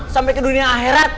sampe ke dunia akhirat